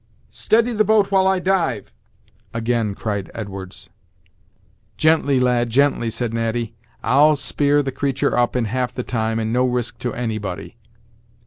"Steady the boat while I dive," again cried Edwards. "Gently, lad, gently," said Natty; "I'll spear the creatur' up in half the time, and no risk to anybody."